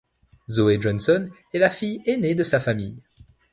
Zoey Johnson est la fille aînée de sa famille.